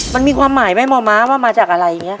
มันมีความหมายมั้ยม้อม้าว่ามาจากอะไรเนี่ย